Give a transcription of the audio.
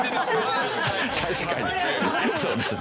確かにそうですね。